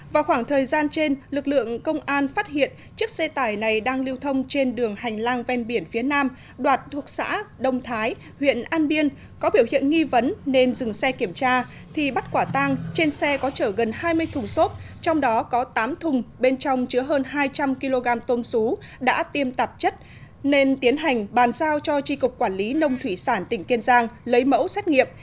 vào khoảng thời gian trên lực lượng công an phát hiện chiếc xe tải này đang lưu thông trên đường hành lang ven biển phía nam đoạt thuộc xã đông thái huyện an biên có biểu hiện nghi vấn nên dừng xe kiểm tra thì bắt quả tang trên xe có chở gần hai mươi thùng xốp trong đó có tám thùng bên trong chứa hơn hai trăm linh kg tôm sú đã tiêm tạp chất nên tiến hành bàn giao cho tri cục quản lý nông thủy sản tỉnh kiên giang lấy mẫu xét nghiệm